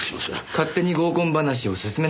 勝手に合コン話を進めないでください。